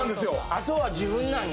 あとは自分なんや。